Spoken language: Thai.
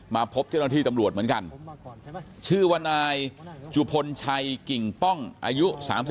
มาพบเจ้าหน้าที่ตำรวจเหมือนกันชื่อว่านายจุพลชัยกิ่งป้องอายุ๓๒